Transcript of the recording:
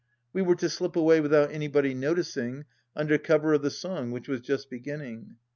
We were to slip away without anybody noticing, under cover of the song which was just beginning.